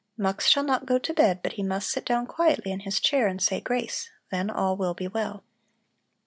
Mux shall not go to bed, but he must sit down quietly in his chair and say grace; then all will be well."